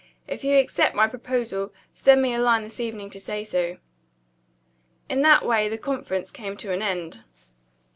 If you accept my proposal, send me a line this evening to say so." In that way the conference came to an end.